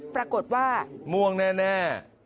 ปรากฏว่าม่วงแน่